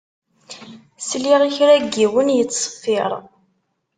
Sliɣ i kra n yiwen yettṣeffiṛ.